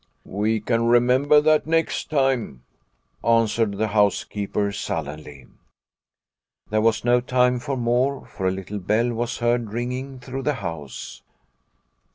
" We can remember that next time," an swered the housekeeper sullenly. There was no time for more, for a little bell was heard ringing through the house.